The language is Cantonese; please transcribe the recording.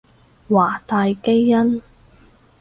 華大基因